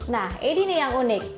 nah ini yang unik